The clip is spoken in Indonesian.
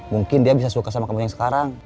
mungkin dia bisa suka sama kamu yang sekarang